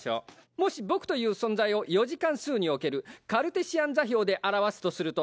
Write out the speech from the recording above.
もし僕という存在を四次関数におけるカルテシアン座標で表すとすると。